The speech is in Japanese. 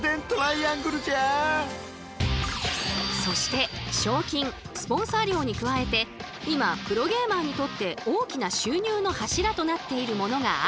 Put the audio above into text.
そして賞金スポンサー料に加えて今プロゲーマーにとって大きな収入の柱となっているものがあるというのですが。